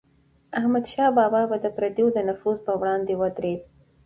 احمدشاه بابا به د پردیو د نفوذ پر وړاندې ودرید.